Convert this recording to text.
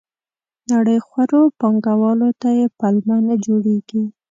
نړیخورو پانګوالو ته یې پلمه نه جوړېږي.